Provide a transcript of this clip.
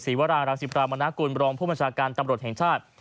วรารังสิพรามนากุลบรองผู้บัญชาการตำรวจแห่งชาติ